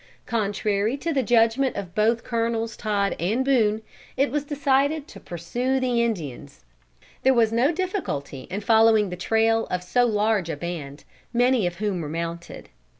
Contrary to the judgment of both Colonels Todd and Boone, it was decided to pursue the Indians. There was no difficulty in following the trail of so large a band, many of whom were mounted.